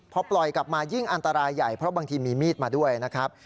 พอปล่อยกลับมายิ่งอันตรายใหญ่เพราะบางทีมีมีดมาด้วยนะครับ